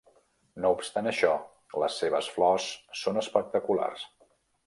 No obstant això, les seves flors són espectaculars.